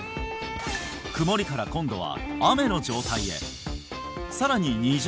曇りから今度は雨の状態へさらに２０